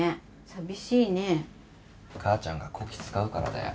母ちゃんがこき使うからだよ。